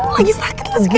lagi sakitlah sikit